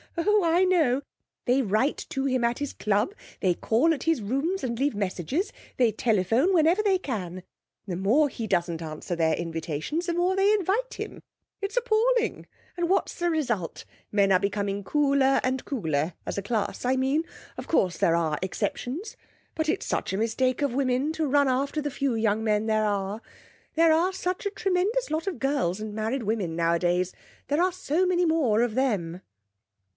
Oh, I know! They write to him at his club; they call at his rooms and leave messages; they telephone whenever they can. The more he doesn't answer their invitations the more they invite him. It's appalling! And what's the result? Men are becoming cooler and cooler as a class, I mean. Of course, there are exceptions. But it's such a mistake of women to run after the few young men there are. There are such a tremendous lot of girls and married women nowadays, there are so many more of them.'